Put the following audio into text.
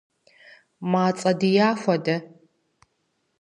Мацӏэ дия хуэдэ.